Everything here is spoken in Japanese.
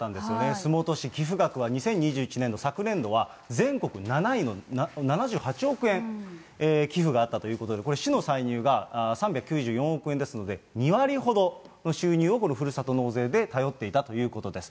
洲本市、寄付額は２０２１年度、昨年度は、全国７位の７８億円、寄付があったということで、これ市の歳入が３９４億円ですので、２割ほどの収入をふるさと納税で頼っていたということです。